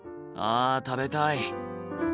あ食べたい。